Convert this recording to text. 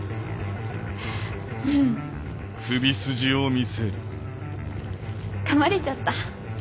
うん！噛まれちゃった。